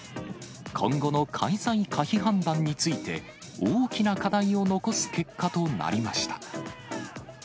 今後の開催可否判断について、大きな課題を残す結果となりました。